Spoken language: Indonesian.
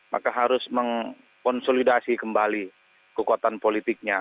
maka harus mengkonsolidasi kembali kekuatan politiknya